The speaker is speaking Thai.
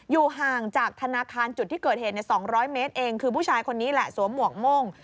อยู่ห่างจากธนาคารจุดที่เกิดเหตุ๒๐๐เมตรเองคือผู้ชายคนนี้แหละสวมหมวกโม่ง